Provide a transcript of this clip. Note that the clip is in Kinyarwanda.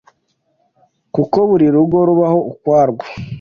kuko buri rugo rubaho ukwarwo